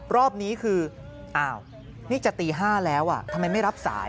รอบนี้คืออ้าวนี่จะตี๕แล้วทำไมไม่รับสาย